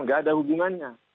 nggak ada hubungannya